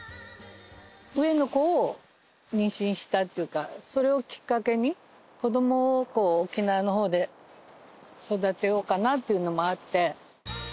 上の子を妊娠したっていうかそれをきっかけに子どもをこう沖縄の方で育てようかなっていうのもあって。